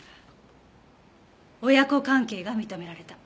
親子関係が認められた。